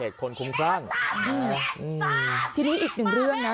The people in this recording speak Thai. เหตุผลคุ้มกล้างอืมที่นี่อีกหนึ่งเรื่องนะ